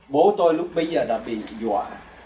bố tôi lúc bây giờ đã bị dọa